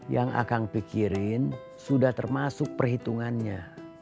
yang akang pikirin sudah termasuk perhitungannya